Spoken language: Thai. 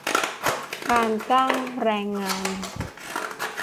การจ้างแรงงาน